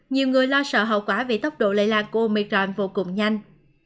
nhiều người lo sợ hậu quả vì tốc độ lây lan của omicron vô cùng nhanh